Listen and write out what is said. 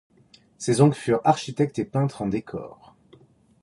Ses oncles furent architectes et peintres en décors.